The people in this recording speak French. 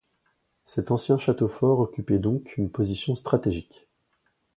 Cet ancien château fort occupait, donc, une position stratégique.